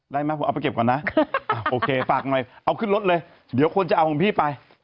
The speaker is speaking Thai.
ได้ไหมผมเอาไปเก็บก่อนนะโอเคฝากหน่อยเอาขึ้นรถเลยเดี๋ยวคนจะเอาของพี่ไป